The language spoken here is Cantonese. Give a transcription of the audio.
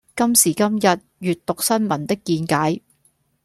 今時今日閱讀新聞的見解